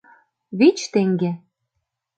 — Вич теҥге.